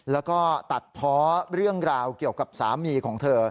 แล้วก็ตัดเพาะเรื่องราวเกี่ยวกับสามีของเธอ